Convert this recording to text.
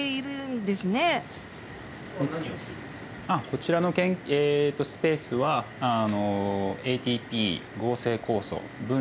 こちらのスペースはＡＴＰ合成酵素